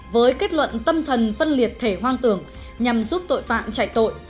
với kết luận tâm thần phân liệt thể hoang tưởng nhằm giúp tội phạm chạy tội